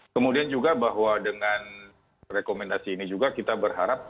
kemudian juga bahwa dengan rekomendasi ini juga kita berharap